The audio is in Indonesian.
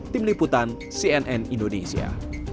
tim liputan cnn indonesia